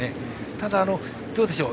ただ、どうでしょう。